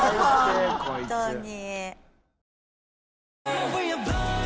本当に。